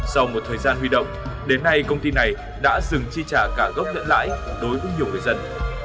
sau một thời gian huy động đến nay công ty này đã dừng chi trả cả gốc lẫn lãi đối với nhiều người dân